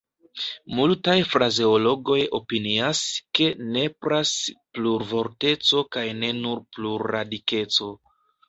Multaj frazeologoj opinias, ke nepras plurvorteco kaj ne nur plurradikeco.